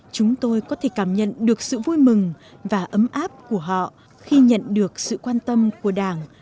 chúng tôi có thể cảm nhận được sự vui mừng và ấm áp của họ khi nhận được sự quan tâm của đảng